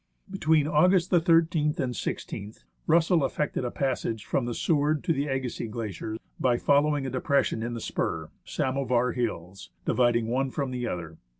Between August the 13th and i6th, Russell effected a passage from the "Seward" to the " Agassi z " Glacier by following a depression in the spur (Samovar Hills) dividing one from the other.